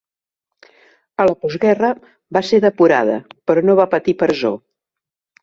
A la postguerra va ser depurada però no va patir presó.